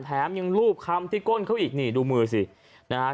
แถมยังรูปคำที่ก้นเขาอีกนี่ดูมือสินะฮะ